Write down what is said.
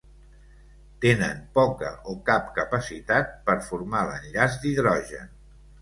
Tenen poca o cap capacitat per formar l'enllaç d'hidrogen.